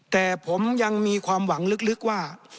แต่ผมยังมีความหวังลึกว่า